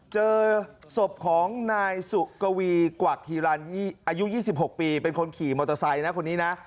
เจอศพของนายสุกวีกวักฮีรันอายุ๒๖ปีเป็นคนขี่มอเตอร์ไซค์นะคนนี้นะ